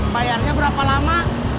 bayarnya berapa lama